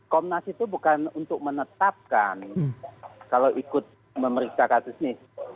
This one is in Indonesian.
komnas itu bukan untuk menetapkan kalau ikut memeriksa kasus ini